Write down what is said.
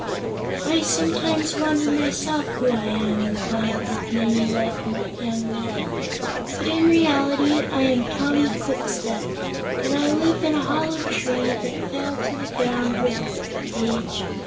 "I sometimes wonder, myself, who I am," replied the many legged young man; "but, in reality, I am Tommy Kwikstep, and I live in a hollow tree that fell to the ground with age.